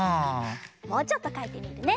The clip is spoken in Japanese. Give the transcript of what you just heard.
もうちょっとかいてみるね。